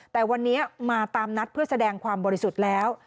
แต่วันนี้มาตามนัดเพื่อแสดงความบริสุทธิ์แล้ว